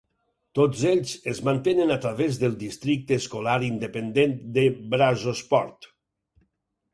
Tots ells es mantenen a través del districte escolar independent de Brazosport.